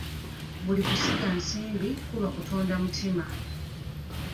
Buli kusiga nsimbi kuba kutunda mutima.